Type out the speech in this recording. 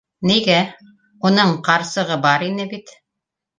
Нигә.. уның... ҡарсығы бар ине бит?